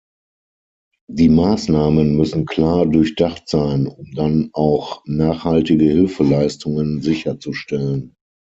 Die Maßnahmen müssen klar durchdacht sein, um dann auch nachhaltige Hilfeleistungen sicherzustellen.